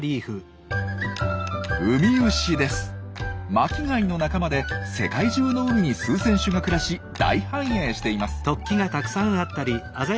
巻き貝の仲間で世界中の海に数千種が暮らし大繁栄しています。